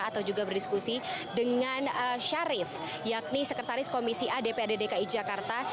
atau juga berdiskusi dengan syarif yakni sekretaris komisi adp dki jakarta